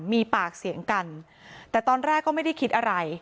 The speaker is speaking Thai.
มีปากเสียงกันแต่ตอนแรกก็ไม่ได้คิดอะไร